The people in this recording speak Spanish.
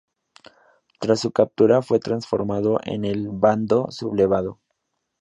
Tras su captura fue transformado en del "bando sublevado".